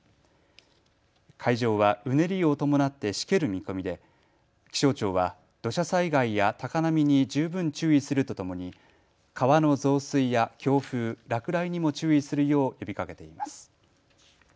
海上はうねりを伴ってしける見込みで気象庁は土砂災害や高波に十分注意するとともに川の増水や強風、落雷にも注意するよう呼びかけています。